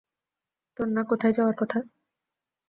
তোর না কোথায় যাওয়ার আছে?